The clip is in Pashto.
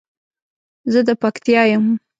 زه د پکتیا یم